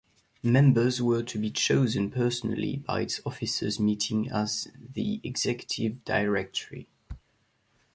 Members were to be chosen personally by its officers meeting as the executive directory.